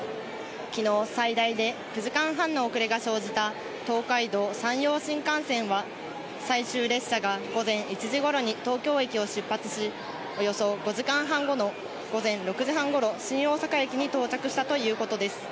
きのう最大で９時間半の遅れが生じた東海道・山陽新幹線は、最終列車が午前１時ごろに東京駅を出発し、およそ５時間半後の午前６時半ごろ、新大阪駅に到着したということです。